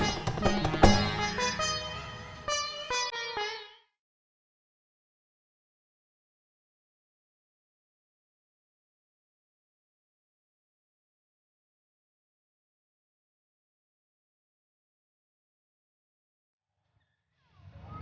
terima kasih bang